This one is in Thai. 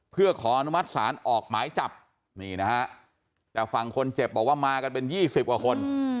เพื่อขออนุมัติศาลออกหมายจับนี่นะฮะแต่ฝั่งคนเจ็บบอกว่ามากันเป็น๒๐กว่าคน